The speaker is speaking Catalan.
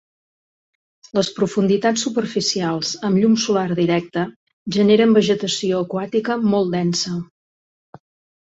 Les profunditats superficials amb llum solar directe generen vegetació aquàtica molt densa.